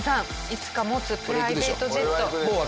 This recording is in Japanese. いつか持つプライベートジェット。